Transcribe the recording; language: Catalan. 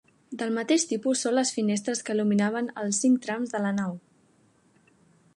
Del mateix tipus són les finestres que il·luminaven els cinc trams de la nau.